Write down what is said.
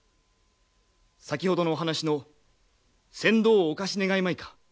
先ほどのお話の仙童をお貸し願えまいか。